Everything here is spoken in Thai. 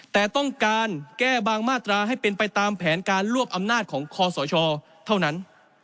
แต่ต้องการแก้บางมาตราให้เป็นไปตามแผนการรวบอำนาจของคอสชเท่านั้น